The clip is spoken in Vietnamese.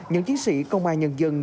những chiến sĩ công an nhân dân